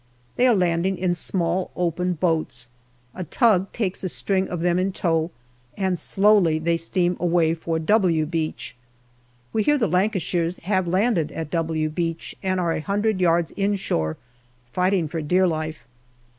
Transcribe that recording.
They are landing in small open boats. A tug takes a string of them in tow, and slowly they steam away for " W " Beach. We hear the Lancashires have landed at " W" Beach, and are a hundred yards in shore fighting for dear life.